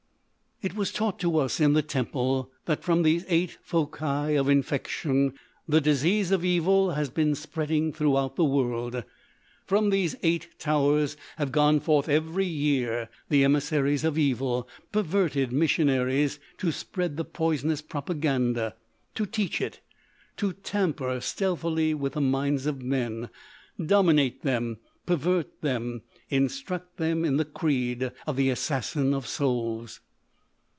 "It was taught to us in the temple that from these eight foci of infection the disease of evil has been spreading throughout the world; from these eight towers have gone forth every year the emissaries of evil—perverted missionaries—to spread the poisonous propaganda, to teach it, to tamper stealthily with the minds of men, dominate them, pervert them, instruct them in the creed of the Assassin of Souls.